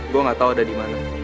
gue gak tau ada dimana